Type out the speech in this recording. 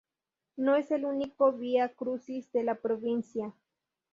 No es el único vía crucis de la provincia.